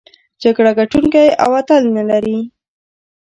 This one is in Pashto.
جګړه ګټوونکی او اتل نلري.